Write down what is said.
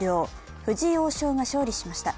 藤井王将が勝利しました。